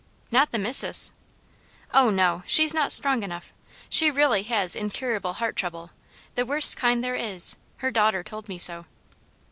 "Not the Missus?" "Oh no! She's not strong enough. She really has incurable heart trouble, the worst kind there is; her daughter told me so."